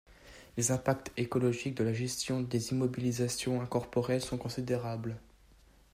Les impacts économiques de la gestion des immobilisations incorporelles sont considérables.